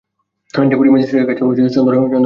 Deputy ম্যাজিস্ট্রেটের কাছেও চন্দরা দোষ স্বীকার করিল।